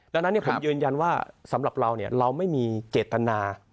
ดังนั้นเนี่ยผมเยือนยันว่าสำหรับเราเนี่ยเราไม่มีเจตนา